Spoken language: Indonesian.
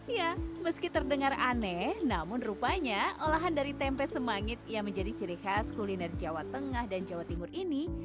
ya meski terdengar aneh namun rupanya olahan dari tempe semangit yang menjadi ciri khas kuliner jawa tengah dan jawa timur ini